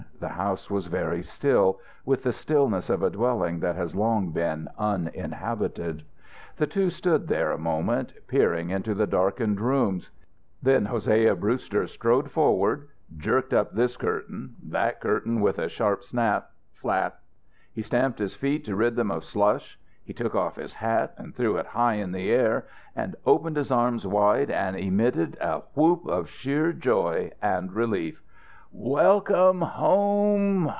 The house was very still, with the stillness of a dwelling that has long been uninhabited. The two stood there a moment, peering into the darkened rooms. Then Hosea Brewster strode forward, jerked up this curtain, that curtain with a sharp snap, flap! He stamped his feet to rid them of slush. He took off his hat and threw it high in the air and opened his arms wide and emitted a whoop of sheer joy and relief. "Welcome home!